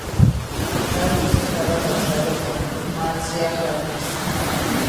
Jarvis estaba casado con Marcia Jarvis.